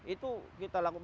itu kita lakukan